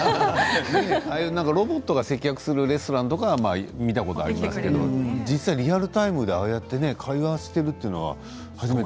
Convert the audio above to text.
ああいうロボットが接客するレストランとか見たことありますけど実際リアルタイムでああやって会話しているというのは初めて。